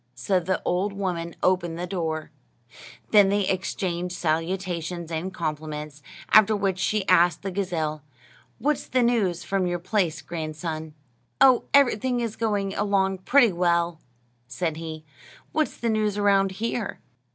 So the old woman opened the door. Then they exchanged salutations and compliments, after which she asked the gazelle, "What's the news from your place, grandson?" "Oh, everything is going along pretty well," said he; "what's the news around here?"